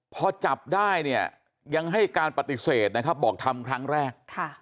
พอจับได้เนี่ยยังให้การปฏิเสธนะครับบอกทำครั้งแรก